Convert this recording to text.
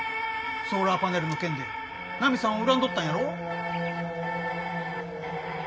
ソーラーパネルの件でナミさんを恨んどったんやろ？